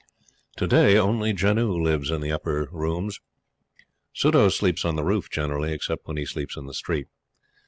To day, only Janoo lives in the upper rooms. Suddhoo sleeps on the roof generally, except when he sleeps in the street.